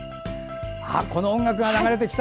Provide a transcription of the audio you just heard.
この音楽が流れてきた！